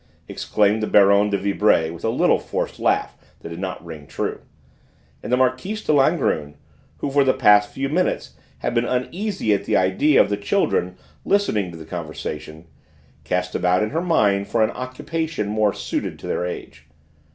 exclaimed the Baronne de Vibray with a little forced laugh that did not ring true, and the Marquise de Langrune, who for the past few minutes had been uneasy at the idea of the children listening to the conversation, cast about in her mind for an occupation more suited to their age.